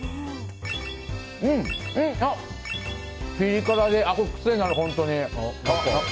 ピリ辛で癖になる、本当に。